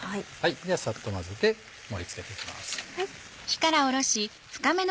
ではサッと混ぜて盛り付けていきます。